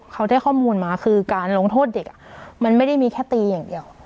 เขาได้ข้อมูลมาคือการลงโทษเด็กมันไม่ได้มีแค่ตีอย่างเดียว